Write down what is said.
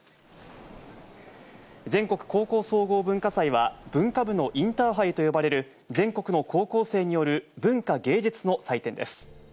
全国高校総合文化祭は、文化部のインターハイと呼ばれる、全国の高校生による文化・芸術の祭典です。